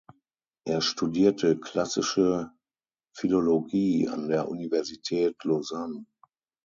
Er studierte Klassische Philologie an der Universität Lausanne.